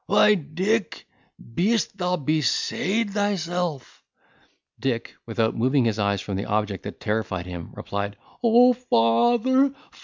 why, Dick, beest thou besayd thyself!" Dick, without moving his eyes from the object that terrified him, replied, "O vather!